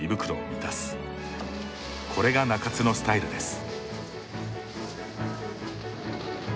これが中津のスタイルです。